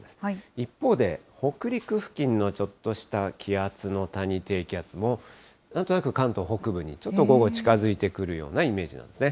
一方で、北陸付近のちょっとした気圧の谷、低気圧もなんとなく関東北部に、ちょっと午後、近づいてくるようなイメージなんですね。